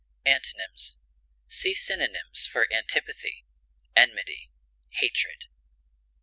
Antonyms: See synonyms for ANTIPATHY; ENMITY; HATRED.